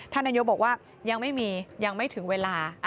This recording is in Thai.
นายกบอกว่ายังไม่มียังไม่ถึงเวลา